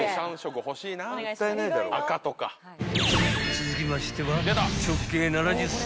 ［続きましては］